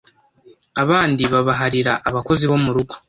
abandi babaharira abakozi bomurugo